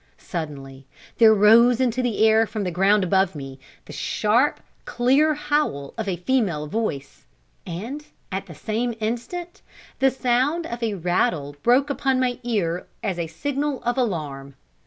Suddenly there rose into the air from the ground above me, the sharp, clear howl of a female voice, and at the same instant the sound of a rattle broke upon my ear as a signal of alarm.